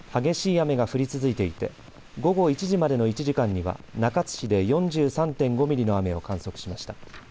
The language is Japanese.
内では激しい雨が降り続いていて午後１時までの１時間には中津市で４３．５ミリの雨を観測しました。